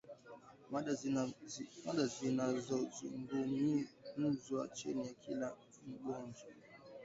Mada zinazozungumziwa chini ya kila magonjwa hayo zinajumuisha majina ya wenyeji